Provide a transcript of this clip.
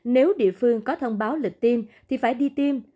nếu địa phương có thông báo lịch tiêm thì phải đi tiêm